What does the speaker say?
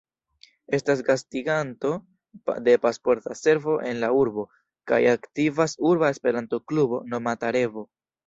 Estas gastiganto de Pasporta Servo en la urbo, kaj aktivas urba Esperanto-Klubo nomata "Revo".